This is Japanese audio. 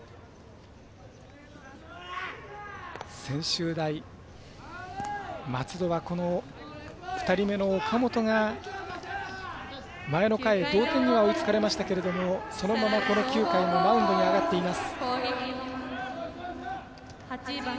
専修大松戸は２人目の岡本が前の回で同点には追いつかれましたけどそのまま、この９回もマウンドに上がっています。